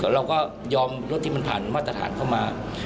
เราก็ยอมลดที่มันผ่านมาตรฐานเข้ามา